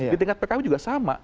di tingkat pkw juga sama